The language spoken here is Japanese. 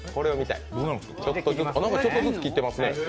ちょっとずつ切っていますね。